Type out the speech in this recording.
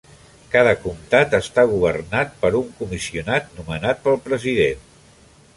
Cada comtat està governat per un comissionat nomenat pel president.